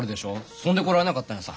そんで来られなかったんやさ。